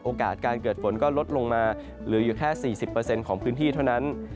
การเกิดฝนก็ลดลงมาเหลืออยู่แค่๔๐ของพื้นที่เท่านั้น